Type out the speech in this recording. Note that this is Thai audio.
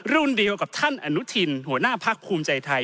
รุ่นเดียวกับท่านอนุทินหัวหน้าพักภูมิใจไทย